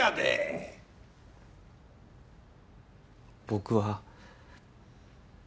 僕は。